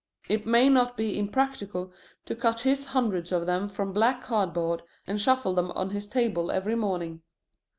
It may not be impractical to cut his hundreds of them from black cardboard and shuffle them on his table every morning.